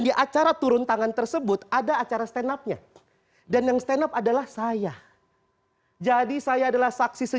di acara turun tangan tersebut ada acara stand upnya dan yang stand up adalah saya jadi saya adalah saksi